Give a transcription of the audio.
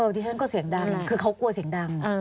ดิฉันก็เสียงดังคือเขากลัวเสียงดัง